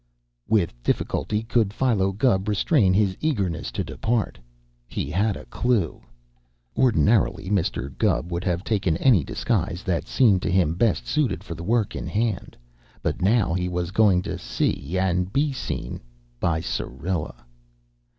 With difficulty could Philo Gubb restrain his eagerness to depart. He had a clue! Ordinarily Mr. Gubb would have taken any disguise that seemed to him best suited for the work in hand; but now he was going to see and be seen by Syrilla!